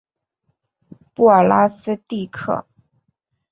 布尔拉斯蒂克。